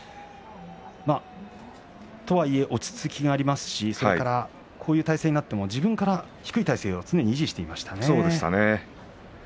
とはいえ落ち着きがありますし、それからこういう体勢になっても自分から低い体勢を維持していましたね。